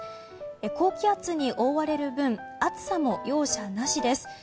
高気圧に覆われる分暑さも容赦なしです。